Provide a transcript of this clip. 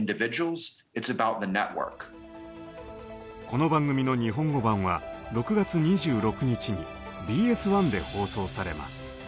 この番組の日本語版は６月２６日にＢＳ１で放送されます。